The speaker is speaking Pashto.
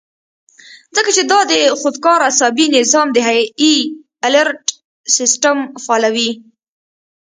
ځکه چې دا د خودکار اعصابي نظام د هائي الرټ سسټم فعالوي